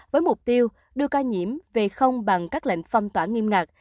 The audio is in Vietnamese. với mục tiêu đưa ca nhiễm về không bằng các lệnh phong tỏa nghiêm ngặt